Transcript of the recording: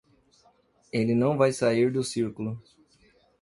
Ele não vai sair do círculo.